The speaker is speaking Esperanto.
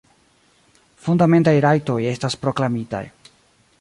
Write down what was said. Fundamentaj rajtoj estas proklamitaj.